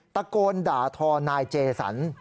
ตะโกนด่าทอนายเจสัน